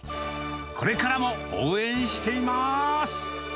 これからも応援しています。